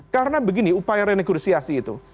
karena begini upaya renegosiasi itu